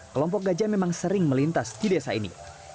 kelompok gajah memang sering melintas di desa ini